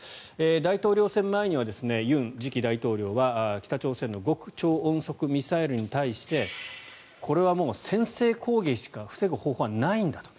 大統領選前には尹次期大統領は北朝鮮の極超音速ミサイルに対してこれはもう先制攻撃しか防ぐ方法はないんだと。